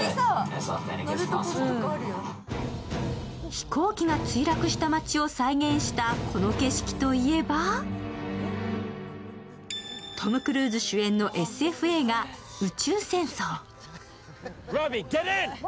飛行機が墜落した街を再現したこの景色といえばトム・クルーズ主演のＳＦ映画「宇宙戦争」。